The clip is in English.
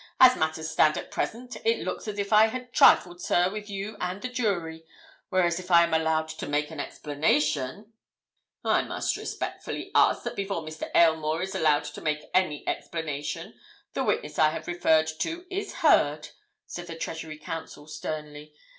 "As matters stand at present, it looks as if I had trifled, sir, with you and the jury, whereas if I am allowed to make an explanation—" "I must respectfully ask that before Mr. Aylmore is allowed to make any explanation, the witness I have referred to is heard," said the Treasury Counsel sternly.